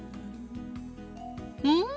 うん！